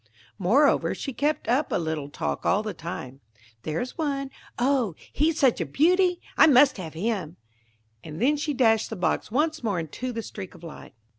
Moreover, she kept up a little talk all the time: "There's one:–oh, he's such a beauty!–I must have him!" and then she dashed the box once more into the streak of light.